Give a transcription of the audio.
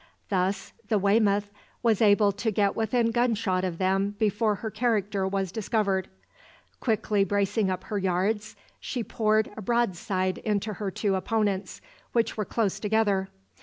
Thus the "Weymouth" was able to get within gunshot of them before her character was discovered. Quickly bracing up her yards, she poured a broadside into her two opponents, which were close together.